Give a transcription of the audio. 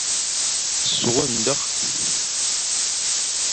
Sughde ndekh.